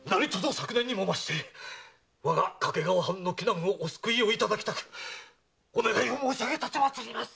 昨年にも増して我が掛川藩の危難をお救いをいただきたくお願いを申し上げたてまつります。